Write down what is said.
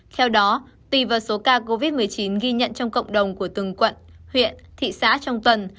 theo đó tùy vào số ca covid một mươi chín ghi nhận trong cộng đồng của từng quận huyện thị xã trong tuần